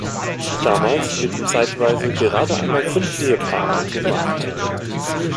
Damals lebten zeitweise gerade einmal fünf Ehepaare in dem Markt.